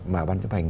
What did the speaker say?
mà ban chấp hành